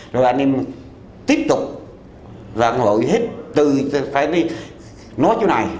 rồi anh em tiếp tục vận hội hết từ phải đi nói chỗ này